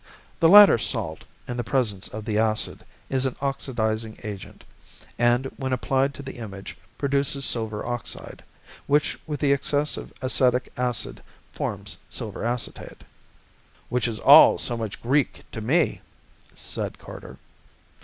The latter salt, in the presence of the acid, is an oxidizing agent, and, when applied to the image, produces silver oxide, which with the excess of acetic acid forms silver acetate." "Which is all so much Greek to me!" said Carter.